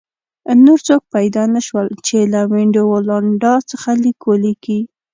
نور څوک پیدا نه شول چې له وینډولانډا څخه لیک ولیکي